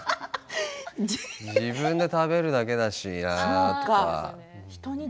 自分で食べるだけだしと思って。